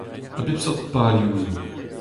A bep seurt palioù zo.